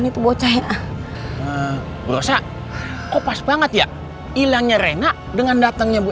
itu pasti juga yang andin mau